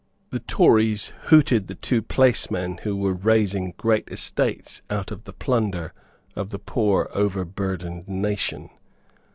The Tories hooted the two placemen who were raising great estates out of the plunder of the poor overburdened nation.